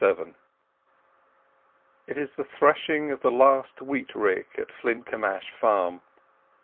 XLVII It is the threshing of the last wheat rick at Flintcomb Ash farm.